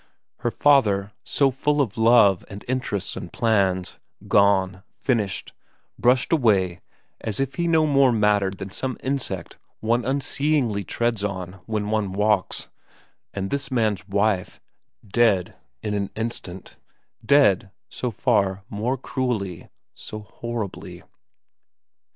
Her o 18 VERA n father, so full of love and interests and plans, gone, finished, brushed away as if he no more mattered than some insect one unseeingly treads on as one walks ; and this man's wife, dead in an instant, dead so far more cruelly, so horribly.